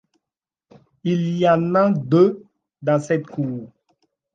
Il y en a deux dans cette cour.